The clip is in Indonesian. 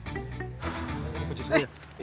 ini baju saya